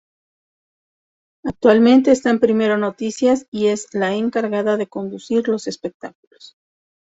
Actualmente está en Primero Noticias y es la encargada de conducir los espectáculos.